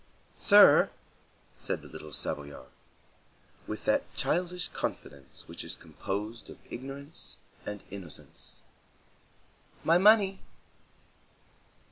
"Sir," said the little Savoyard, with that childish confidence which is composed of ignorance and innocence, "my money."